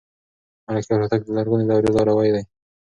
ملکیار هوتک د لرغونې دورې لاروی دی.